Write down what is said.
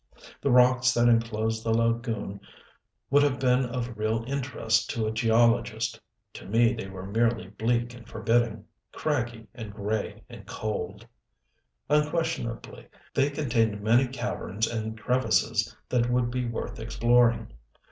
The rocks that enclosed the lagoon would have been of real interest to a geologist to me they were merely bleak and forbidding, craggy and gray and cold. Unquestionably they contained many caverns and crevices that would be worth exploring.